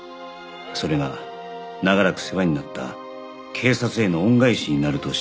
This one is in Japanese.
それが永らく世話になった警察への恩返しになると信じて